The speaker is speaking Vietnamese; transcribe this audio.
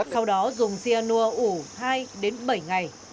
sau đó dùng xia nua ủ hai đến bảy ngày